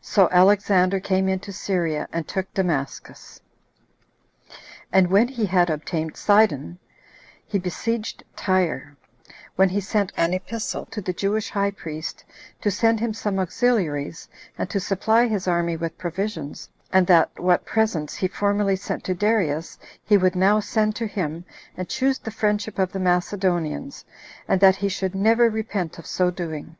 So Alexander came into Syria, and took Damascus; and when he had obtained Sidon, he besieged Tyre, when he sent an epistle to the Jewish high priest, to send him some auxiliaries, and to supply his army with provisions; and that what presents he formerly sent to Darius, he would now send to him, and choose the friendship of the Macedonians, and that he should never repent of so doing.